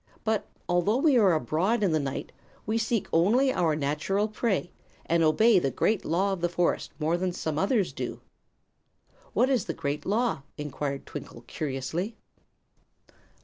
But, although we are abroad in the night, we seek only our natural prey, and obey the Great Law of the forest more than some others do." "What is the Great Law?" enquired Twinkle, curiously.